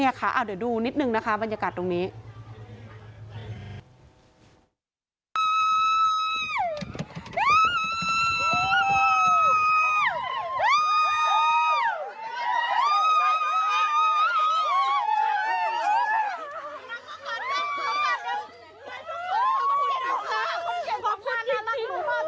เดี๋ยวดูนิดนึงนะคะบรรยากาศตรงนี้